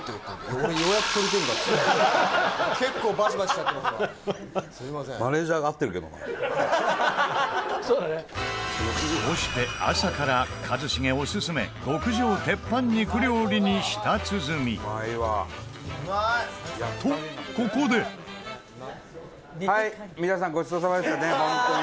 こうして朝から一茂オススメの極上、鉄板肉料理に舌鼓と、ここで伊達：はい、皆さんごちそうさまでしたね、本当に。